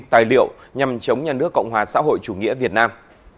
tài liệu nhằm chống nhà nước cộng hòa xã hội chủ nghĩa việt nam